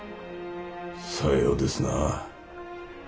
さようですな。